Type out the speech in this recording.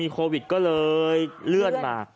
ค่ะ